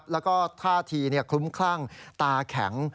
และก็ทาทีคลุมคลังตาแข็ง